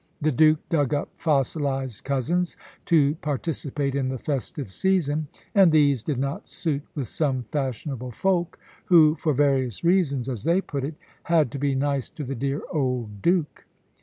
The Duke dug up fossilised cousins to participate in the festive season, and these did not suit with some fashionable folk, who for various reasons, as they put it, "had to be nice to the dear old Duke."